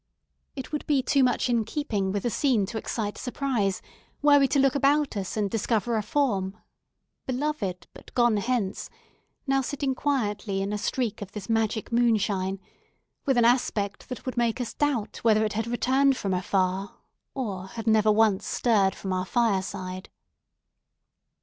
It would be too much in keeping with the scene to excite surprise, were we to look about us and discover a form, beloved, but gone hence, now sitting quietly in a streak of this magic moonshine, with an aspect that would make us doubt whether it had returned from afar, or had never once stirred from our fireside.